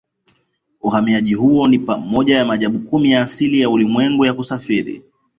Uhamiaji huo ni moja ya maajabu kumi ya asili ya ulimwengu ya kusafiri